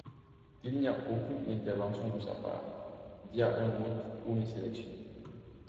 Il n'y a aucune intervention de sa part, via un vote ou une sélection.